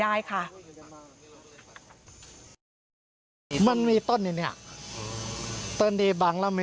อันนี้ผู้หญิงบอกว่าช่วยด้วยหนูไม่ได้เป็นอะไรกันเขาจะปั้มหนูอะไรอย่างนี้